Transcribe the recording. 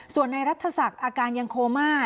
ส่วนในรัฐศักดิ์อาการยังโคม่า